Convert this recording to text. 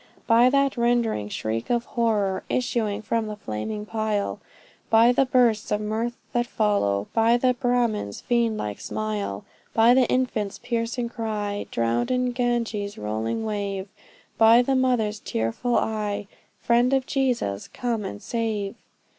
By that rending shriek of horror Issuing from the flaming pile, By the bursts of mirth that follow, By that Brahmin's fiend like smile By the infant's piercing cry, Drowned in Ganges' rolling wave; By the mother's tearful eye, Friends of Jesus, come and save!